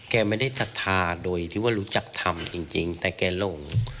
แกไม่ได้ศรัทธาโดยที่ว่ารู้จักธรรมจริงแต่แกหลง